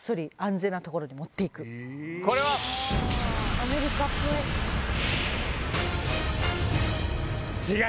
アメリカっぽい！